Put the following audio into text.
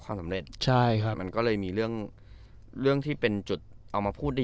สำเร็จใช่ครับมันก็เลยมีเรื่องเรื่องที่เป็นจุดเอามาพูดดี